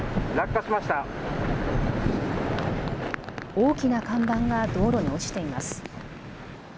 大きな看板が道路に落ちています。